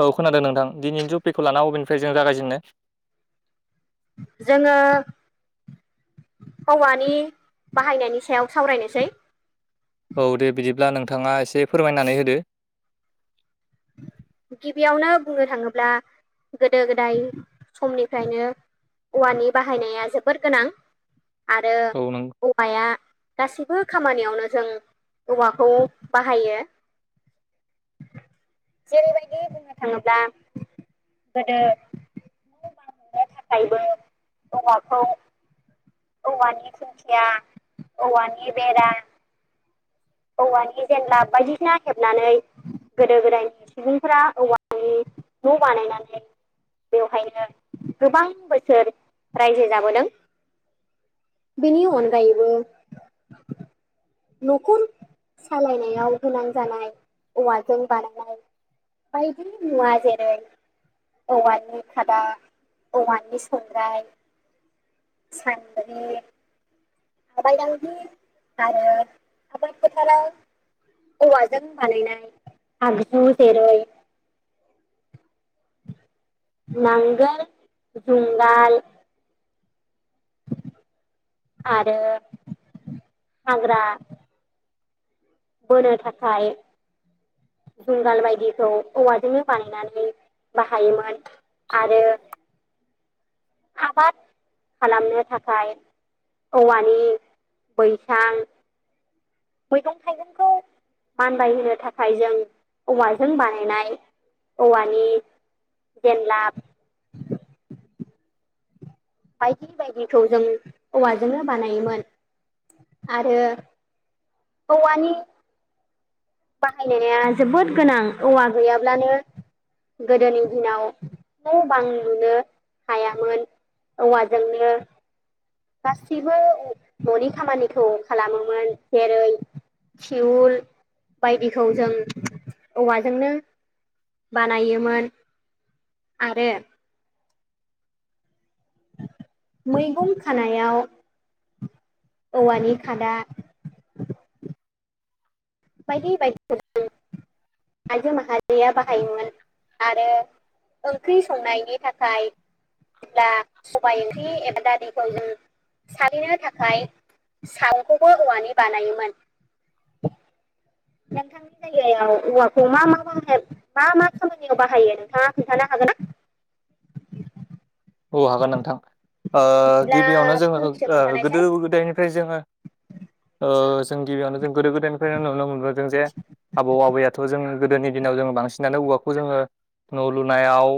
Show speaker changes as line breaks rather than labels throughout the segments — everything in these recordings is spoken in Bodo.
औ खोनादों नोंथां दिनैनि तपिकखौ लाना अबेनिफ्राय जों जागायजेननो
जोंङो हौवानि बाहायनायनि सायाव सावरायनोसै
औ दे बिदिब्ला नोंथाङा एसे फोरमायनानै होदो
गिबियावनो बुंनो थाङोब्ला गोदो-गोदाय समनिफ्रायनो औवानि बाहायनाया जोबोर गोनां आरो
औ नों
औवाया गासैबो खामानियावनो जों औवाखौ बाहायो जेरैबायदि बुंनो थाङोब्ला गोदो मोननो थाखायबो औवाखौ औवानि खुंखिया औवानि बेरा औवानि जेनला बायदिसिना हेबनानै गोदो गोदायनि सुबुंफोरा औवानि न' बानायनानै बेवहायनो गोबां बोसोर रायजो जाबोदों। बेनि अनगायैबो न'खर सालायनायाव गोनां जानाय औवाजों बानायनाय बायदि मुवा जेरै औवानि खादा औवानि संद्रराय सानबारि थाबबायलि आरो थाबां फोथाराव औवाजों बानायनाय आगजु जेरै नांगोल जुंगाल आरो फाग्रा बोनो थाखाय जुंगाल बायदिखौ औवाजोंनो बानायनानै बाहायोमोन आरो आबाद खालामनो थाखाय औवानि बैसां मैगं थाइगंखौ मानबाय होनो थाखाय जों औवाजों बानायनाय औवानि जेनलाब बायदि बायदिखौ जों औवाजोंनो बानायोमोन आरो औवानि बाहायनाया जोबोद गोनां औवा गैयाब्लानो गोदोनि दिनाव न' बां नुनो हायामोन। औवाजोंनो गासैबो न'नि खामानिखौ खालामोमोन जेरै थिउल बायदिखौ जों औवाजोंनो बानायोमोन आरो मैगं खानायाव औवानि खादा बायदि बायदि [unintelligible] आयजो माहारिया बाहायोमोन आरो ओंख्रि संनायनि थाखाय जेब्ला सबाय ओंख्रि एबा दा दैखौ जों सारिनो थाखाय साउखौबो औवानि बानायोमोन। [inaudible] नोंथांनि जायगायाव औवाखौ मा मा माह मा मा खामानियाव बाहायो नोंथाङा खोन्थानो हागोन ना? [inaudible]
औ हागोन नोंथां ओ गिबियावनो
बिदिब्ला
जोङो
फंनैसो
गोदो
खोन्थानायसाय
गोदायनिफ्राय जोङो ओ जों गिबियावनो गोदो गोदायनिफ्रायनो नुनो मोनबोदों जे आबौ आबैयाथ' जों गोदोनि दिनाव जोङो बांसिनानो औवाखौ जोङो न' लुनायाव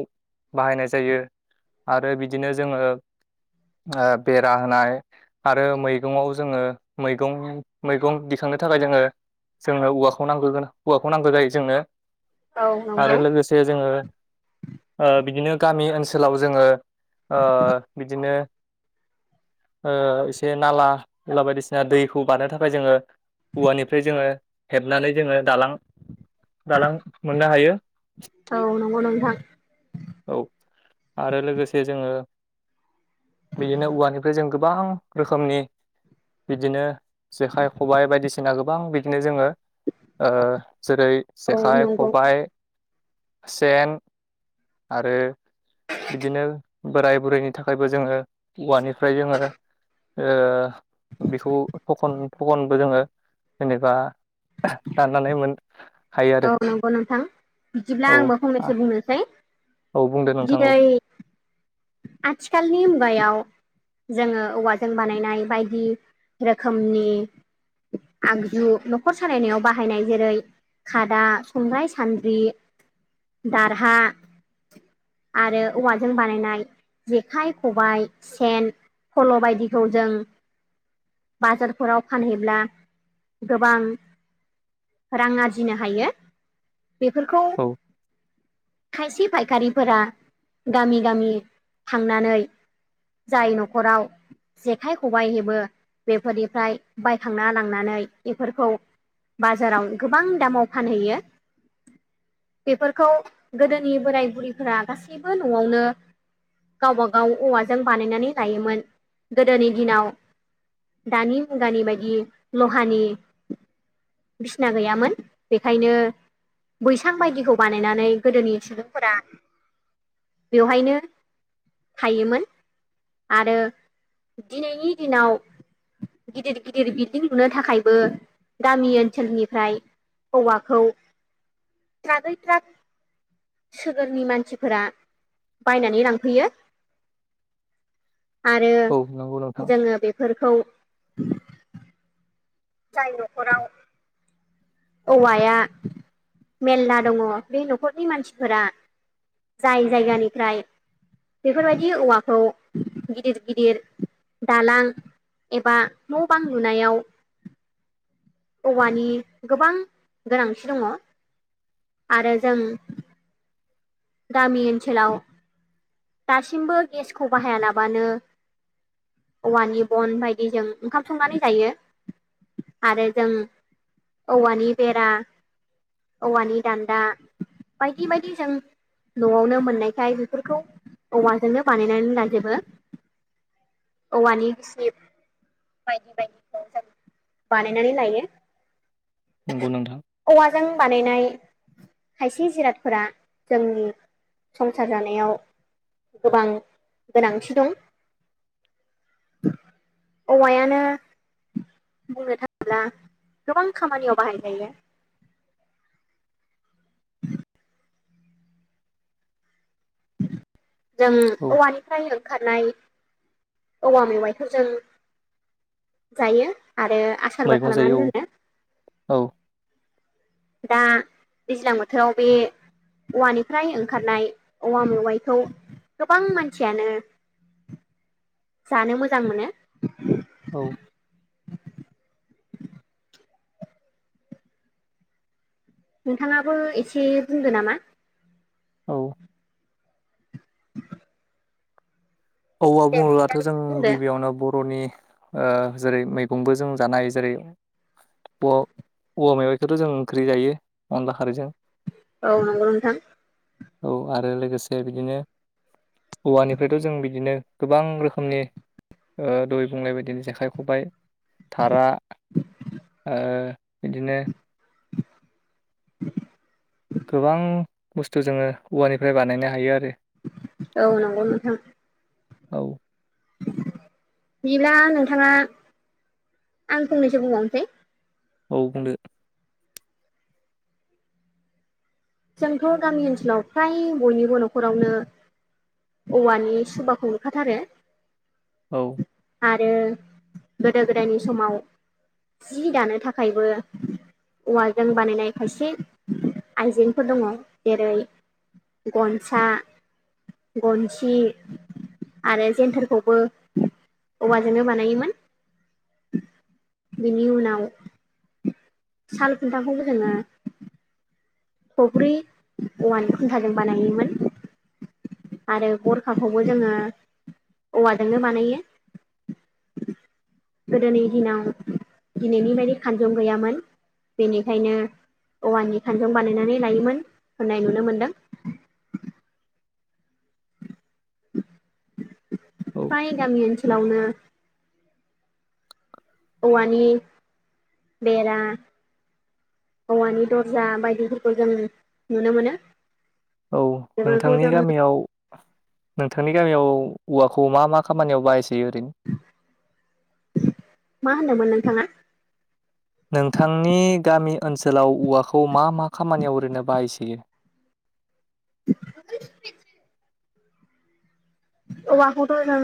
बाहायनाय जायो। आरो बिदिनो जोङो ओ बेरा होनाय आरो मैगंङाव जोङो मैगं मैगं दिखां नो थाखाय जोङो जोंनो औवाखौ नांगो गोना औवाखौ नांगौ जायो जोंनो।
औ नंगौ
आरो लोगोसे जोङो ओ बिदिनो गामि ओनसोलाव जोङो ओ बिदिनो ओ एसे नाला एला बायदिसिना दैखौ बारनो थाखाय जोङो औवानिफ्राय जोङो हेबनानै जोङो दालां दालां मोननो हायो।
औ नंगौ नोंथां।
औ आरो लोगोसे जोङो बिदिनो औवानिफ्राय जों गोबां रोखोमनि बिदिनो जेखाइ खबाइ बायदिसिना गोबां बिदिनो जोङो ओ जेरै
औ
जेखाइ
नंगौ
खबाय सेन आरो बिदिनो बोराय बुरैनि थाखायबो जोङो औवानिफ्राय जोङो ओ बेखौ थखन थखनबो जोङो जेनेबा दाननानै मोन हायो आरो
औ नंगौ नोंथां बिदिब्ला
औ
आंबो फंनैसो बुंनोसै।
औ बुंदो नोंथां औ
आजखालनि मुगायाायाव जोङो औवाजों बानायनाय बायदि रोखोमनि आगजु न'खर सालायनायाव बाहायनाय जेरै- खादा संगाय सान्द्रि दारहा आरो औवाजों बानायनाय जेखाइ खबाय सेन फल' बायदिखौ जों बाजारफोराव फानहैब्ला गोबां रां आरजिनो हायो बेफोरखौ
औ
खायसे फायखारिफोरा गामि गामि थांनानै जाय न'खराव जेखाइ खबाइ हेबो बेफोरनिफ्राय बायखांना लांनानै बेफोरखौ बाजाराव गोबां दामाव फानहैयो बेफोरखौ गोदोनि बोराय बुरैफोरा गासैबो न'आवनो गावबा गाव औवाजों बानायनानै लायोमोन गोदोनि दिनाव दानि मुगानि बायदि लहानि बिसिना गैयामोन बेखायनो बैसां बायदिखौ बानायनानै गोदोनि सुबुंफोरा बेवहायनो थायोमोन आरो दिनैनि दिनाव गिदिर गिदिर बिल्दिं लुनो थाखायबो गामि ओनसोलनिफ्राय औवाखौ ट्राकै ट्राक सगोरनि मानसिफोरा बायनानै लांफैयो [inaudible] आरो
औ नंगौ नोंथां
जोङो बेफोरखौ जाय न'खराव औवाया मेरला दङ बे न'खरनि मानसिफोरा जाय जायगानिफ्राय बेफोरबायदि औवाखौ गिदिर गिदिर दालां एबा न' बां लुनायाव औवानि गोबां गोनांथि दङ आरो जों गामि ओनसोलाव दासिमबो गेसखौ बाहाया लाबानो औवानि बन बायदि जजों ओंखाम संनानै जायो आरो जों औवानि बेरा औवानि दान्दा बायदि बायदि जों न'आवनो मोननायखाय बेफोरखौ औवाजोंनो बानायनानै लाजोबो औवानि बाय बाय बानायनानैनानै लायो
नंगौ नोंथां
औवाजों बानायनाय खायसे जिरादफोरा जोंनि संसार जानायाव गोबां गोनांथि दं औवायानो बुंनो थाङोब्ला गोबां खामानियाव बाहायजायो जों
औ
औवानिफ्राय ओंखारनाय औवा मेवाइखौ जों जायो आरो आसारबो
मैगं
खालामनानै
जायो
दोनो
औ
दा दैज्लां बोथोराव बे औवानिफ्राय ओंखारनाय औवा मेवाइखौ गोबां मानसियानो जानो मोजां मोनो
औ
नोंथाङाबो एसे बुंदो नामा
औ
[inaudible]
औ आ
दे
बुङोब्लाथ' जों
बिदिब्ला नोंथां बुंदो
गिबियावनो बर'नि ओ जेरै मैगंबो जों जानाय जेरै औ औवा मैबाइखौथ' जों ओंख्रि जायो अनला खारैजों
औ नंगौ नोंथां
औ आरो लोगोसे बिदिनो औवानिफ्रायथ' जों बि बिदिनो गोबां रोखोमनि दय बुलांनाय बायदिनो जेखाइ खबाय थारा ओ बिदिनो
[inaudible]
गोबां बुस्थु जोङो औवानिफ्राय बानायनो हायो आरो
औ नंगौ नोंथां
औ
[unintelligible] बिब्ला नोंथाङा आं फंनैसो बुंबावनोसै
औ बुंदो।
जोंथ' गामि ओनसोलाव फ्राय बयनिबो न'खरावनो। औवा नि सुबाखौ नुखाथारो।
औ
आरो गोदो गोदायनि समाव' जि दानो थाखायबो औवाजों बानायनाय खायसे आइजें फोर दङ' जेरै' गनसा गनसि। आरो जन्थारखौबो औवाजोंनो बानायोमोन। बिनि उनाव साल खुनटा खौबो जोङो फख्रि औवा नि खुन्थाजों बानायोमोन। आरो गरखाखौबो जोङो औवाजोंनो बानायो। गोदोनि दिनाव दिनैनि बायदि खानजं गैयामोन। बेनिखायनो औवानि खानजुं बानायनानै लायोमोन होननाय नुनो मोनदों।
औ
फाय गामि ओनसोलावनो। औवा नि बेरा। औवा नि दर्जा बायदिफोरखौ जों नुनो मोनो।
औ
बेफोरखौ
नोंथांनि
जों
गामियाव नोंथांनि गामियाव औवाखौ मा मा खामानियाव बाहायसै ओरैनो?
मा होनोमोन नोंथाङा?
नोंथांनि गामि ओनसोलाव औवाखौ मा मा खामानियाव ओरै नो बाहायसोयो?
[unintelligible] औवाखैथ' जों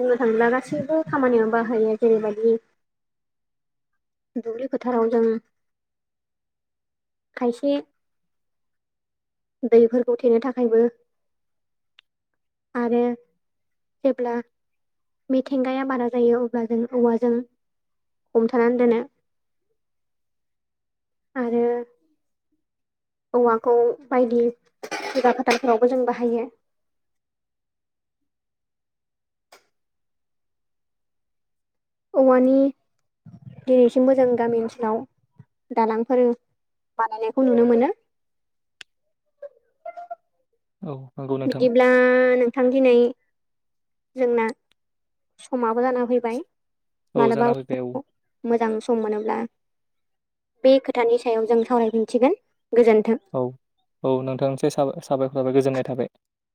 बुंनो थाङोब्ला गासैबो खामानियावनो बाहायो जेरै'बायाददि दुबि फथाराव जों खायसे दैफोरखौ थेनो थाखायबो आरो। जेब्ला मिथिंगाया बारा जायो। अब्ला जों औवाजों हमथानानै दोनो आरो। औवाखौ बायदि जुगा फोथारफोरावबो जों बाहायो। [inaudible] औवानि दिनैसिम मोजां गामि ओनसोलाव दालांफोर बानायनायखौ नुनो मोनो।
औ नंगौ नोंथां
बिदिब्ला नोंथां दिनै जोंना समाबो जाना फैबाय।
औ
मालाबा
जाना फैबाय औ
[unintelligible] मोजां सम मोनोब्ला बे खोथानि सायाव जों सावरायफिनसिगोन। गोजोन्थों।
औ औ नोंथां से साबा-साबायखर थाबाय गोजोननाय थाबाय।